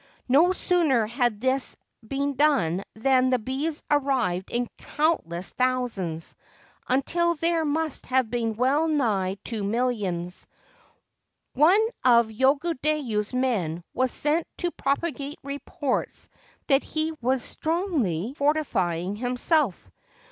No sooner had this beer done than the bees arrived in countless thousands, untl there must have been well nigh two millions. One ol Yogodayu's men was sent to propagate reports that he was strongly fortifying himself.